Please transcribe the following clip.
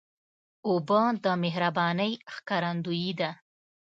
اوبه د مهربانۍ ښکارندویي ده.